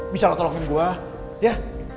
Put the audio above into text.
bisa lah tolongin gue ya